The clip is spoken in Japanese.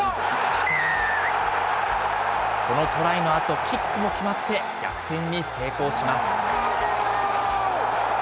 このトライのあと、キックも決まって、逆転に成功します。